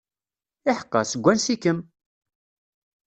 Iḥeqqa, seg wansi-kem?